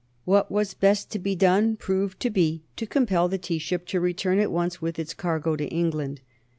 "What was best to be done" proved to be to compel the tea ship to return at once with its cargo to England.